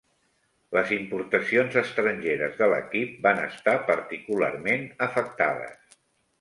Les importacions estrangeres de l'equip van estar particularment afectades.